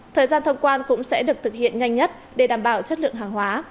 thời gian thông quan cũng sẽ được thực hiện nhanh nhất để đảm bảo chất lượng hàng hóa